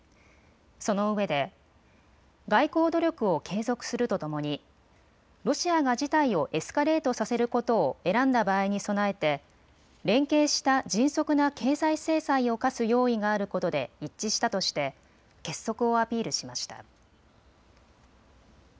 そのうえで外交努力を継続するとともにロシアが事態をエスカレートさせることを選んだ場合に備えて、連携した迅速な経済制裁を科す用意があることで一致したとして結束をアピールしました。